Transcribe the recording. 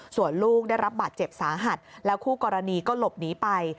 ส่วนลูกได้รับบาดเจ็บสาหัสแล้วคู่กรณีก็หลบหนีไป